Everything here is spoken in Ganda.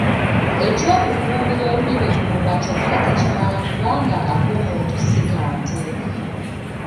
Eky’okukuumira olulimi ku mumwa kyokka tekimala kubanga ak’omuntu si ka nte.